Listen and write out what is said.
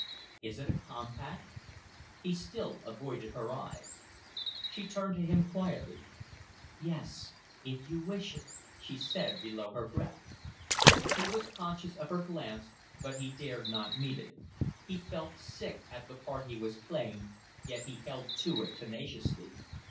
Is it a compact?" He still avoided her eyes. She turned to him quietly. "Yes if you wish it," she said, below her breath. He was conscious of her glance, but he dared not meet it. He felt sick at the part he was playing, yet he held to it tenaciously.